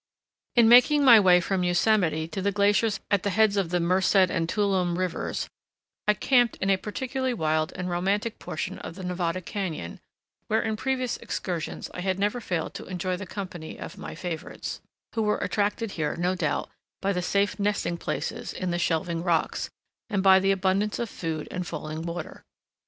In making my way from Yosemite to the glaciers at the heads of the Merced and Tuolumne rivers, I camped in a particularly wild and romantic portion of the Nevada cañon where in previous excursions I had never failed to enjoy the company of my favorites, who were attracted here, no doubt, by the safe nesting places in the shelving rocks, and by the abundance of food and falling water.